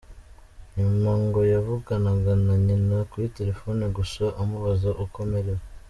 Nyuma ngo yavuganaga na nyina kuri telefone gusa amubaza uko amerewe.